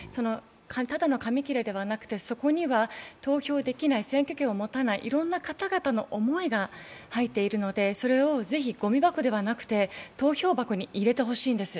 ただの紙きれではなくて、そこには投票できない、選挙権を持たない、いろんな方々の思いが入っているのでそれをぜひ、ごみ箱ではなくて、投票箱に入れてほしいんです。